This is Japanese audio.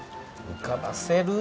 うかばせる？